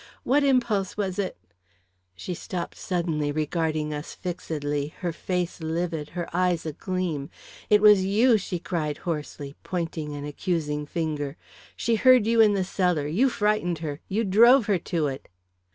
What impulse was it " She stopped suddenly, regarding us fixedly, her face livid, her eyes agleam. "It was you!" she cried hoarsely, pointing an accusing finger. "She heard you in the cellar you frightened her you drove her to it!"